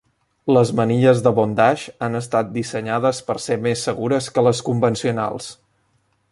Les manilles de bondage han estat dissenyades per ser més segures que les convencionals.